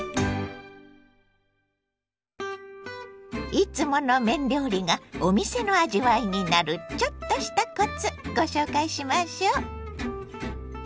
いつもの麺料理がお店の味わいになるちょっとしたコツご紹介しましょう。